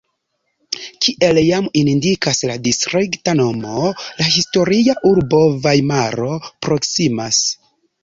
Kiel jam indikas la distrikta nomo, la historia urbo Vajmaro proksimas.